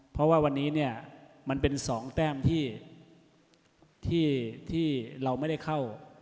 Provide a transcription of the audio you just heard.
เพราะว่าวันนี้เนี่ยมันเป็น๒แต้มที่เราไม่ได้เข้า